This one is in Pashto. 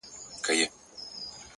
ارزښتمن ژوند له روښانه موخې پیلېږي!